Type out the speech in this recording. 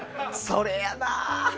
それやな。